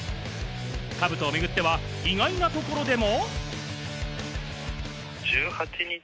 兜をめぐっては意外なところでも。